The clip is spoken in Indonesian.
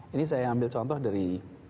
ini saya ambil contoh dari